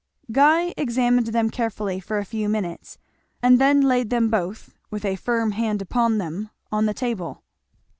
Guy examined them carefully for a few minutes, and then laid them both, with a firm hand upon them, on the table.